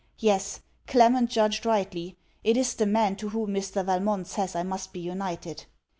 Yes; Clement judged rightly! It is the man to whom Mr. Valmont says I must be united.